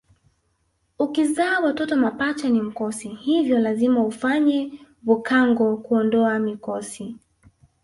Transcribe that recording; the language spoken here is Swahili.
Ukizaa watoto mapacha ni mkosi hivyo lazima ufanye bhukango kuondoa mikosi